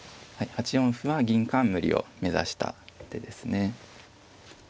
８四歩は銀冠を目指した手ですね。